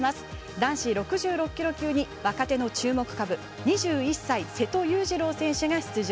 男子６６キロ級に若手の注目株２１歳、瀬戸勇次郎選手が出場。